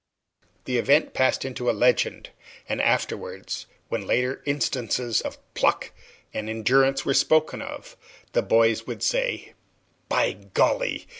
The event passed into a legend, and afterwards, when later instances of pluck and endurance were spoken of, the boys would say, "By golly!